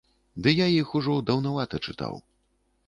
Ды я іх ужо даўнавата чытаў.